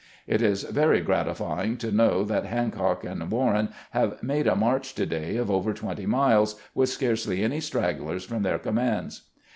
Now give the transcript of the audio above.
It is very gratifying to know that Hancock and Warren have made a march to day of over twenty miles, with scarcely any stragglers from their commands."